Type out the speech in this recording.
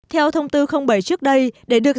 theo thông tư bảy trước đây để được gián nhãn năng lượng